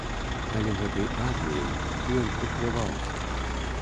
Але гэтай арміяй ён прыкрываўся.